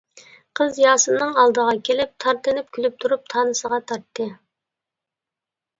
قىز ياسىننىڭ ئالدىغا كېلىپ، تارتىنىپ كۈلۈپ تۇرۇپ تانسىغا تارتتى.